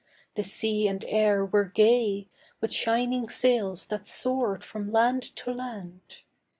The sea and air were gay With shining sails that soared from land to land.